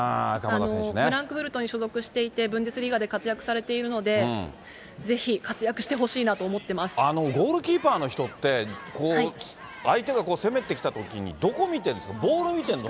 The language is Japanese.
フランクフルトに所属していて、ブンデスリーガで活躍されているので、ぜひ活躍してほしいなと思ゴールキーパーの人って、相手が攻めてきたときに、どこ見てるんですか、ボール見てるの？